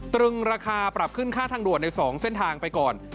ตรึงราคาปรับขึ้นค่าทางด่วนใน๒เส้นทางไปก่อน